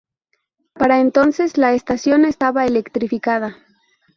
Para entonces, la estación estaba electrificada.